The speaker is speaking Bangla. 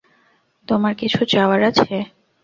তোমার কিছু চাওয়ার আছে?